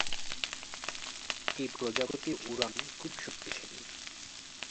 এই প্রজাতির উড়ান খুব শক্তিশালী।